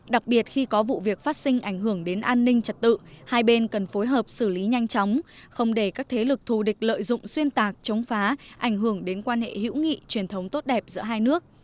đặc biệt khi có vụ việc phát sinh ảnh hưởng đến an ninh trật tự hai bên cần phối hợp xử lý nhanh chóng không để các thế lực thù địch lợi dụng xuyên tạc chống phá ảnh hưởng đến quan hệ hữu nghị truyền thống tốt đẹp giữa hai nước